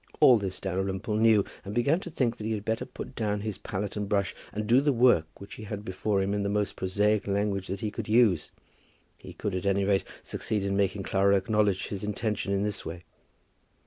All this Dalrymple knew, and began to think that he had better put down his palette and brush, and do the work which he had before him in the most prosaic language that he could use. He could, at any rate, succeed in making Clara acknowledge his intention in this way.